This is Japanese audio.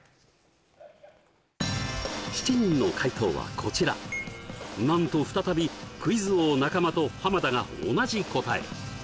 ７人の解答はこちらなんと再びクイズ王中間と田が同じ答え